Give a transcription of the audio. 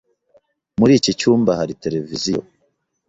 Muri iki cyumba hari televiziyo.